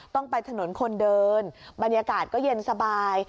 ต้องไปถนนคนเดินบรรยากาศก็เย็นสบาย